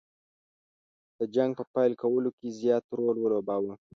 د جنګ په پیل کولو کې زیات رول ولوباوه.